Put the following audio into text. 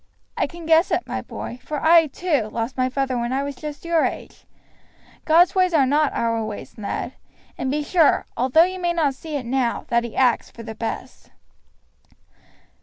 "I can guess it, my boy; for I, too, lost my father when I was just your age. God's ways are not our ways, Ned; and be sure, although you may not see it now, that he acts for the best."